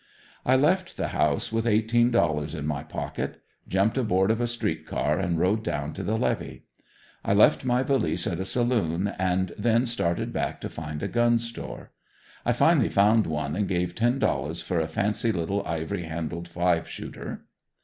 I left the house with eighteen dollars in my pocket; jumped aboard of a street car and rode down to the levee. I left my valise at a saloon and then started back to find a gun store. I finally found one and gave ten dollars for a fancy little ivory handled five shooter.